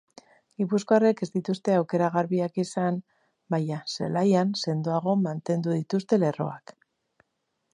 Gipuzkoarrek ez dituzte aukera garbiak izan, baina zelaian sendoago mantendu dituzte lerroak.